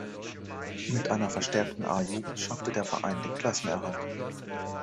Mit einer verstärkten A-Jugend schaffte der Verein den Klassenerhalt.